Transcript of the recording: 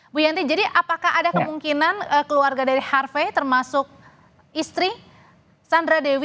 bu yanti jadi apakah ada kemungkinan keluarga dari harvey termasuk istri sandra dewi